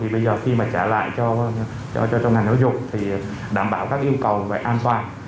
bây giờ khi trả lại cho ngành hữu dục đảm bảo các yêu cầu về an toàn